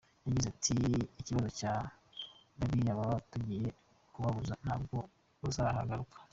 Yagize ati “Ikibazo cya bariya baba tugiye kubabuza ntabwo bazahagaruka”.